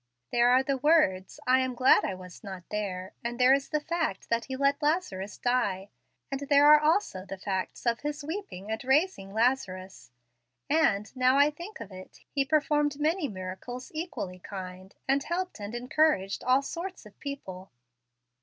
"There are the words, 'I am glad I was not there '; and there is the fact that He let Lazarus die; and there also are the facts of His weeping and raising Lazarus: and, now I think of it, He performed many miracles equally kind, and helped and encouraged all sorts of people."